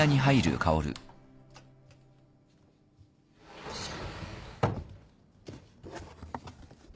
よいしょ。